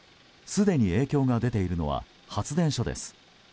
すでに影響が出ているのは発電所です。